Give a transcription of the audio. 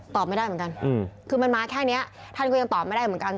ตอบไม่ได้เหมือนกันคือมันมาแค่นี้ท่านก็ยังตอบไม่ได้เหมือนกัน